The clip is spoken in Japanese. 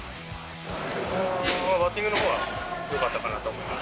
バッティングのほうはよかったかなと思います。